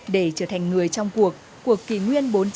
để trở thành người trong cuộc của kỳ nguyên bốn